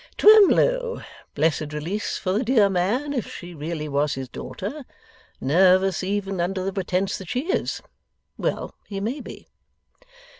Twemlow; blessed release for the dear man if she really was his daughter, nervous even under the pretence that she is, well he may be.